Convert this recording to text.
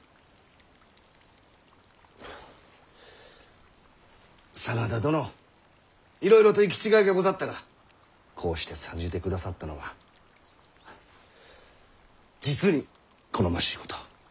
はあ真田殿いろいろと行き違いがござったがこうして参じてくださったのは実に好ましいこと。